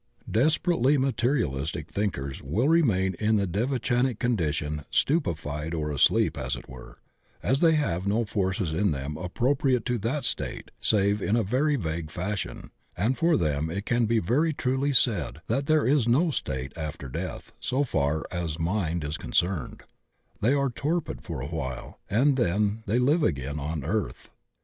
Desperately mate rialistic thinkers wUl remain in the devachanic condi tion stupefied or asleep, as it were, as they have no forces in them appropriate to that state save in a very vague fashion, and for them it can be very truly said that there is no state after death so far as mind is concerned; they are torpid for a while, and then they Uve again on earth.